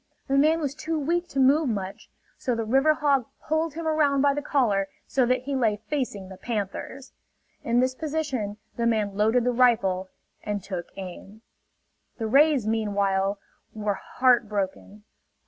The man was too weak to move much; so the river hog pulled him around by the collar so that he lay facing the panthers. In this position the man loaded the rifle and took aim. The rays, meanwhile, were heart broken.